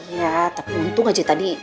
ya tapi untung aja tadi